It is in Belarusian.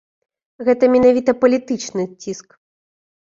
Гэта менавіта палітычны ціск.